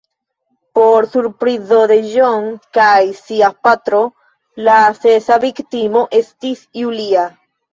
Por surprizo de John kaj sia patro la sesa viktimo estis Julia.